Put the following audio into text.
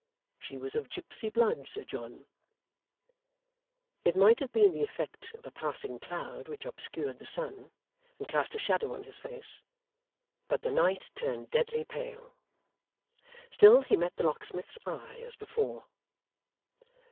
She was of gipsy blood, Sir John ' It might have been the effect of a passing cloud which obscured the sun, and cast a shadow on his face; but the knight turned deadly pale. Still he met the locksmith's eye, as before.